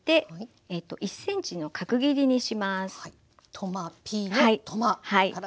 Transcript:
トマピーのトマからですね。